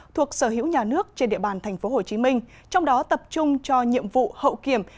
thuộc sở hữu nhà nước trên địa bàn tp hcm trong đó tập trung cho nhiệm vụ hậu kiểm